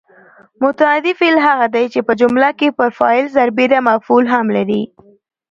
متعدي فعل هغه دی چې په جمله کې پر فاعل سربېره مفعول هم لري.